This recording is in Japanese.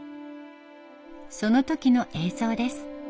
その時の映像です。